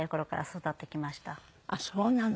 あっそうなの。